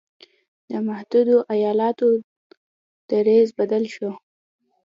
د متحدو ایالتونو دریځ بدل شو.